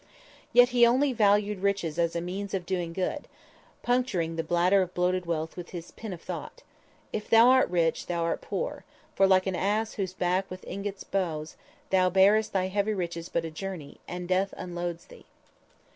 Yet he only valued riches as a means of doing good, puncturing the bladder of bloated wealth with this pin of thought: _"If thou art rich, thou art poor; For, like an ass whose back with ingots bows, Thou bearest thy heavy riches but a journey, And Death unloads thee!"